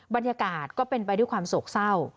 บรรยากาศก็เป็นไปด้วยความโศกเศร้า